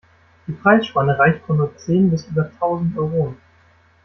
Die Preisspanne reicht von nur zehn bis über tausend Euronen.